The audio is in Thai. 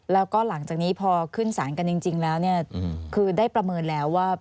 แล้วก็หลังจากนี้พอขึ้นสารกันจริงแล้วเนี่ยคือได้ประเมินแล้วว่า